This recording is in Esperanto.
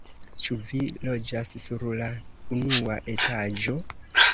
Ĉu vi loĝas sur la unua etaĝo?